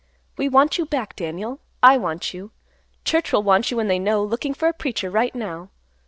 "We want you back, Daniel. I want you. Church will want you when they know; looking for a preacher right now.